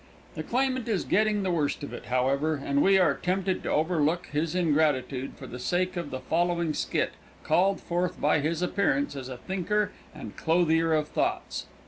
The claimant is getting the worst of it, however, and we are tempted to overlook his ingratitude for the sake of the following skit called forth by his appearance as a thinker and clothier of thoughts.